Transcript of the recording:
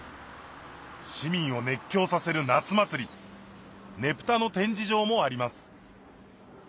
市民を熱狂させる夏祭りねぷたの展示場もあります